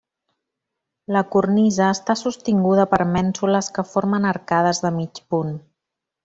La cornisa està sostinguda per mènsules que formen arcades de mig punt.